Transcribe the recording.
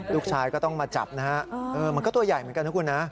ลูกชายก็ต้องมาจับนะฮะมันก็ตัวใหญ่เหมือนกันนะคุณนะ